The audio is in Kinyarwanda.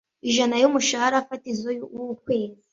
ijana y umushahara fatizo w ukwezi